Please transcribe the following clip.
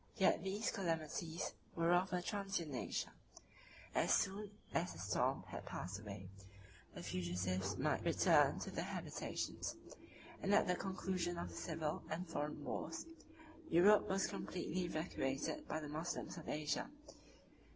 Yet these calamities were of a transient nature; as soon as the storm had passed away, the fugitives might return to their habitations; and at the conclusion of the civil and foreign wars, Europe was completely evacuated by the Moslems of Asia.